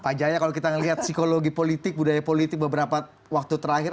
pak jaya kalau kita melihat psikologi politik budaya politik beberapa waktu terakhir